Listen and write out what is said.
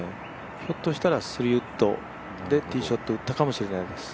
ひょっとしたら３ウッドでティーショット打ったかもしれないです。